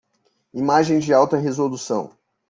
Imagem de alta resolução.